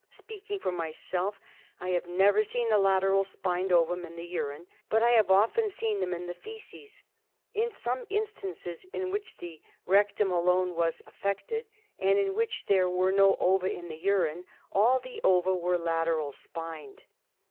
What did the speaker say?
Speaking for myself, I have never seen a lateral spined ovum in the urine, but I have often seen them in the faeces'. In some instances in which the rectum alone was affected, and in which there were no ova in the / j ■''■— urine, all the ova were lateral spined.